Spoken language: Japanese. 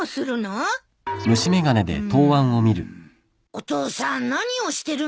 お父さん何をしてるのさ？